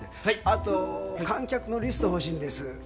あと観客のリスト欲しいんです。